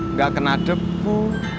nggak kena debu